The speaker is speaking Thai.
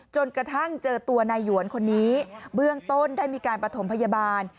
จนกระทั่งเจอตัวนายหยวนคนนี้เบื้องต้นได้มีการประถมพยาบาล